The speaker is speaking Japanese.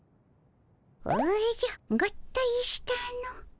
おじゃ合体したの。